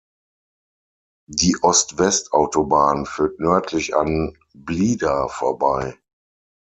Die Ost-West-Autobahn führt nördlich an Blida vorbei.